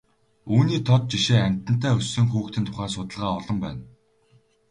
Үүний тод жишээ амьтантай өссөн хүүхдийн тухай судалгаа олон байна.